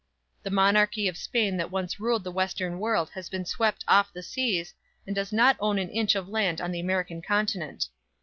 The monarchy of Spain that once ruled the western world has been swept off the seas, and does not own an inch of land on the American Continent.